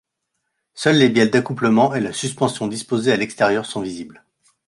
Seules les bielles d'accouplement et la suspension disposées à l'extérieur sont visibles.